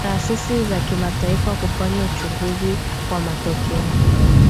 taasisi za kimataifa kufanya uchunguzi wa matokeo